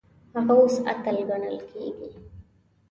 هغه اوس اتل ګڼل کیږي.